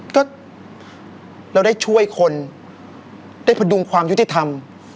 ก็เราได้ช่วยคนได้พดุงความยุติธรรม